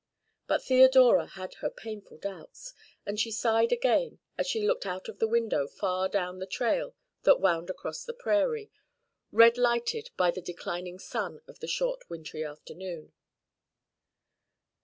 But Theodora had her painful doubts, and she sighed again as she looked out of the window far down the trail that wound across the prairie, red lighted by the declining sun of the short wintry afternoon.